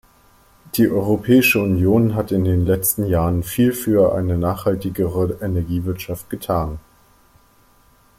Die Europäische Union hat in den letzten Jahren viel für eine nachhaltigere Energiewirtschaft getan.